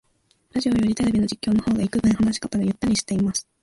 ラジオよりテレビの実況の方がいくぶん話し方がゆったりしてます